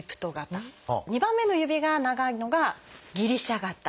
２番目の指が長いのが「ギリシャ型」。